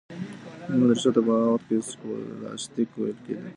دیني مدرسو ته په هغه وخت کي سکولاستیک ویل کیده.